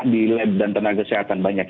di lab dan tenaga kesehatan banyak